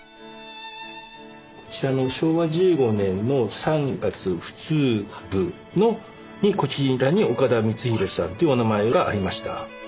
こちらの昭和１５年の「三月普通部」のこちらに岡田光宏さんというお名前がありました。